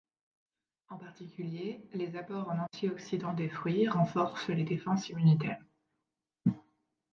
En particulier, les apports en antioxydants des fruits renforcent les défenses immunitaires.